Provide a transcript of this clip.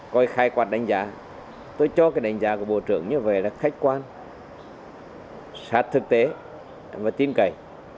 coi khai quật đánh giá tôi cho cái đánh giá của bộ trưởng như vậy là khách quan sát thực tế và tin cậy